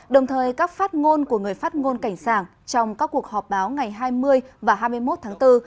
đồng thời các phát ngôn của người phát ngôn cảnh sảng trong các cuộc họp báo ngày hai mươi và hai mươi một tháng bốn